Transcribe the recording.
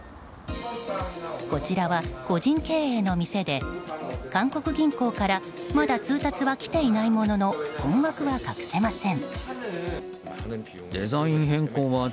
こちらは個人経営の店で韓国銀行からまだ通達は来ていないものの困惑は隠せません。